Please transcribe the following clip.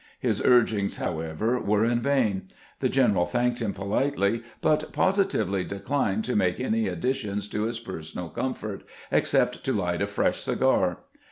His urgings, however, were in vain. The general thanked him politely, but positively declined to make any additions to his personal comfort, except to light a fresh cigar.